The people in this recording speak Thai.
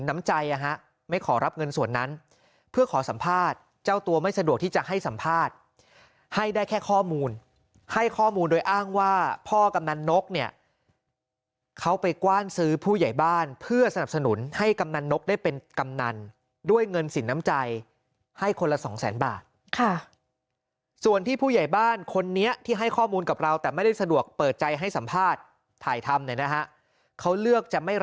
ไม่ขอรับเงินส่วนนั้นเพื่อขอสัมภาษณ์เจ้าตัวไม่สะดวกที่จะให้สัมภาษณ์ให้ได้แค่ข้อมูลให้ข้อมูลโดยอ้างว่าพ่อกำนันนกเนี่ยเขาไปกว้านซื้อผู้ใหญ่บ้านเพื่อสนับสนุนให้กำนันนกได้เป็นกำนันด้วยเงินสินน้ำใจให้คนละ๒๐๐๐๐๐บาทค่ะส่วนที่ผู้ใหญ่บ้านคนนี้ที่ให้ข้อมูลกับเราแต่ไม่ได้สะดวกเป